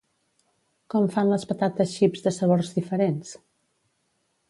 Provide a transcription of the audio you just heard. Com fan les patates xips de sabors diferents?